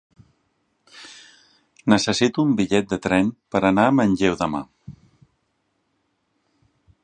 Necessito un bitllet de tren per anar a Manlleu demà.